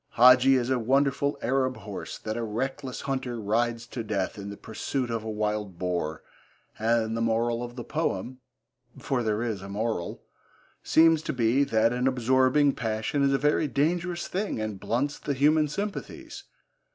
Hadji is a wonderful Arab horse that a reckless hunter rides to death in the pursuit of a wild boar, and the moral of the poem for there is a moral seems to be that an absorbing passion is a very dangerous thing and blunts the human sympathies.